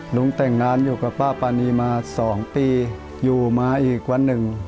ลุงแต่งงานอยู่กับป้าปานีมา๒ปีอยู่มาอีกวันหนึ่ง